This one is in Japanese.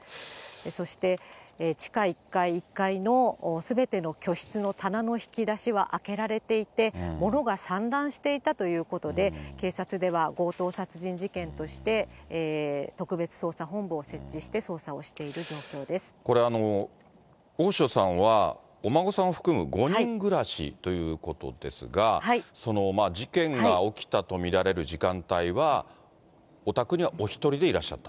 そして地下１階、１階のすべての居室の棚の引き出しは開けられていて、物が散乱していたということで、警察では強盗殺人事件として特別捜査本部を設置して、捜査をしてこれ、大塩さんは、お孫さんを含む５人暮らしということですが、事件が起きたと見られる時間帯は、お宅にはお１人でいらっしゃった？